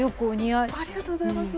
ありがとうございます。